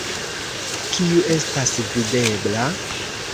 Kiu estas videbla?